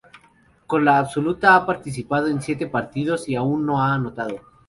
Con la absoluta ha participado en siete partidos y aún no ha anotado.